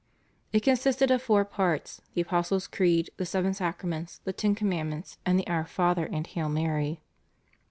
It consisted of four parts, the Apostle's Creed, the Seven Sacraments, the Ten Commandments, and the Our Father and Hail Mary.